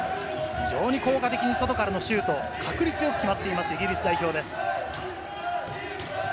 非常に効果的に外からのシュートを確率よく決まっています、イギリス代表です。